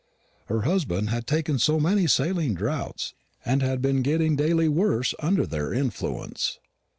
Her husband had taken so many saline draughts, and had been getting daily worse under their influence.